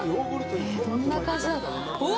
どんな感じなんだろう。